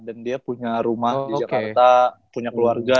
dan dia punya rumah di jakarta punya keluarga